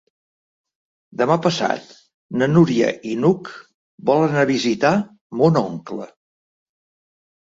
Demà passat na Núria i n'Hug volen anar a visitar mon oncle.